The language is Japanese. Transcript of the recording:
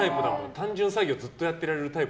単純作業をずっとやってられる。